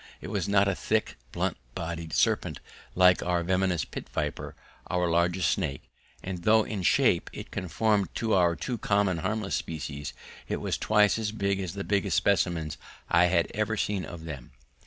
It was not a thick blunt bodied serpent like our venomous pit viper, our largest snake, and though in shape it conformed to our two common harmless species it was twice as big as the biggest specimens I had ever seen of them.